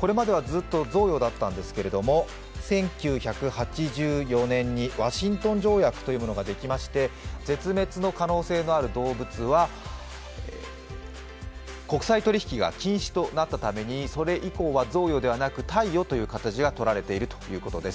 これまではずっと贈与だったんですけれども１９８４年にワシントン条約というものができまして絶滅の可能性のある動物は国際取引が禁止となったためにそれ以降は贈与ではなく貸与という形が取られているということです。